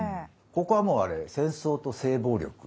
ここはもうあれ戦争と性暴力。